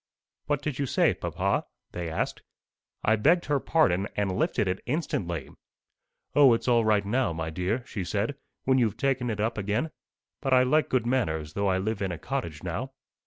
"What did you say, papa?" they asked. "I begged her pardon, and lifted it instantly. 'O, it's all right now, my dear,' she said, 'when you've taken it up again. But I like good manners, though I live in a cottage now.